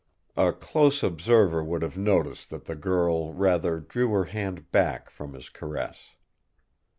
A close observer would have noticed that the girl rather drew her hand back from his caress.